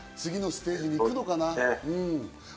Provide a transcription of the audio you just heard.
次のステージに行くのかな。